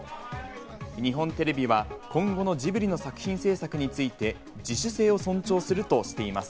日本テレビは今後のジブリの作品制作について、自主性を尊重するとしています。